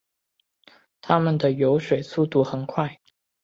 它们的游水速度很快。